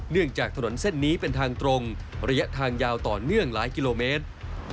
จากถนนเส้นนี้เป็นทางตรงระยะทางยาวต่อเนื่องหลายกิโลเมตร